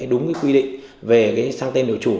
đúng cái quy định về sang tên đội chủ